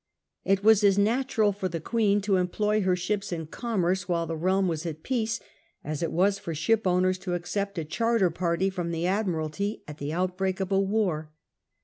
It was as natural for the Queen to employ her ships in commerce while the realm was at peace, as it was for shipowners to accept a charter party from the admiralty at the outbreak of a war.